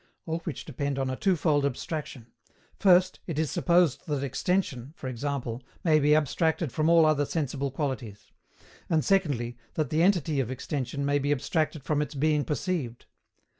All which depend on a twofold abstraction; first, it is supposed that extension, for example, may be abstracted from all other sensible qualities; and secondly, that the entity of extension may be abstracted from its being perceived.